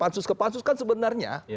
pansus ke pansus kan sebenarnya